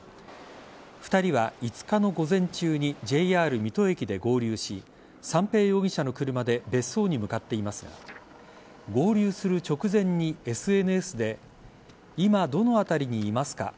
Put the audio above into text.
２人は５日の午前中にＪＲ水戸駅で合流し三瓶容疑者の車で別荘に向かっていますが合流する直前にＳＮＳで今どのあたりにいますか？